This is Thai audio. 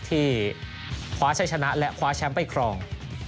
ที่คว้าชัยชนะและคว้าแชมป์ไปครอง